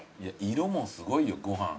色もすごいよご飯。